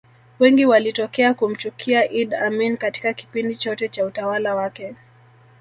Wengi walitokea kumchukia Idd Amin Katika kipindi chote Cha utawala wake